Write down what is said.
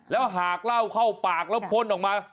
แล้วหากเล่าเข้าปากแล้วพ้นออกมา